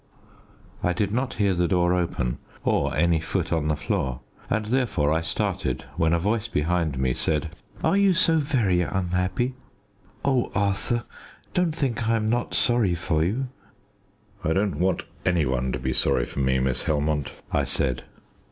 I did not hear the door open or any foot on the floor, and therefore I started when a voice behind me said "Are you so very unhappy? Oh, Arthur, don't think I am not sorry for you!" "I don't want any one to be sorry for me, Miss Helmont," I said.